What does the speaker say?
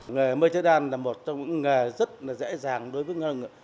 nghề mơ chế đan là một trong những nghề rất dễ dàng đối với người